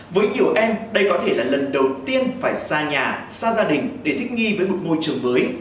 với nhiều em đây có thể là lần đầu tiên phải ra nhà xa gia đình để thích nghi với một môi trường mới